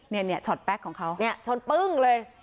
เนี่ยช็อตแป๊กของเขาเนี่ยชนปึ้งเลย